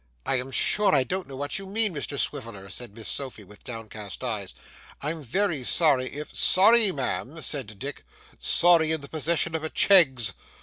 'I am sure I don't know what you mean, Mr Swiviller,' said Miss Sophy with downcast eyes. 'I'm very sorry if ' 'Sorry, Ma'am!' said Dick, 'sorry in the possession of a Cheggs!